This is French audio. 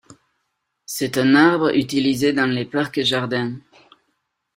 C'est un arbre utilisé dans les parcs et jardins.